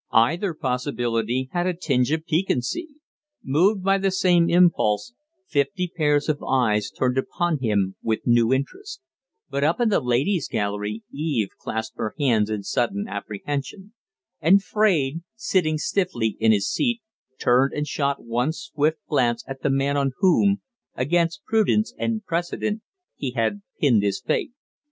Either possibility had a tinge of piquancy. Moved by the same impulse, fifty pairs o eyes turned upon him with new interest; but up in the Ladies' Gallery Eve clasped her hands in sudden apprehension; and Fraide, sitting stiffly in his seat, turned and shot one swift glance at the man on whom, against prudence and precedent, he had pinned his faith.